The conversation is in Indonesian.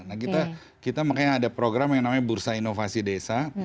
nah kita makanya ada program yang namanya bursa inovasi desa